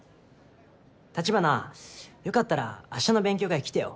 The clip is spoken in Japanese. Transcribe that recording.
橘よかったらあしたの勉強会来てよ。